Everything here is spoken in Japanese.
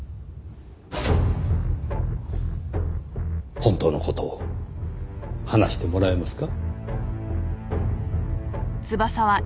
本当の事を話してもらえますか？